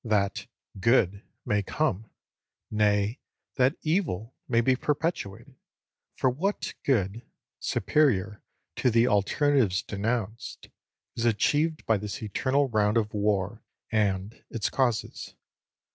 That "good" may come! nay, that evil may be perpetuated; for what good, superior to the alternatives denounced, is achieved by this eternal round of war and its causes?